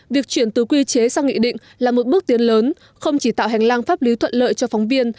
việc chuyển từ quy chế sang nghị định là một bước tiến lớn không chỉ tạo hành lang pháp lý thuận lợi cho phóng viên